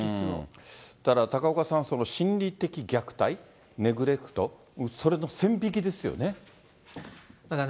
だから高岡さん、その心理的虐待、ネグレクト、それの線引きですよね。